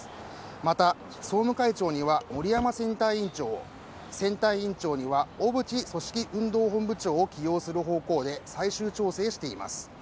また総務会長には森山選対委員長を選対委員長には小渕組織運動本部長を起用する方向で最終調整しています